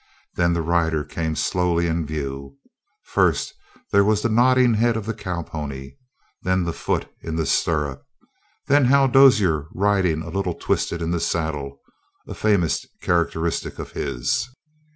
Then the rider came slowly in view. First there was the nodding head of the cow pony, then the foot in the stirrup, then Hal Dozier riding a little twisted in the saddle a famous characteristic of his.